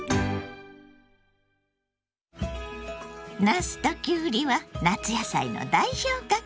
なすときゅうりは夏野菜の代表格。